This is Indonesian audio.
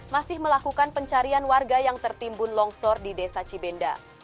masih melakukan pencarian warga yang tertimbun longsor di desa cibenda